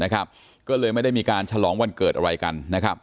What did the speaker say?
ก็เลยไม่ได้มีการฉลองวันเกิดอะไรกัน